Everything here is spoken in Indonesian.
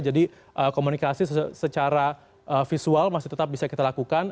jadi komunikasi secara visual masih tetap bisa kita lakukan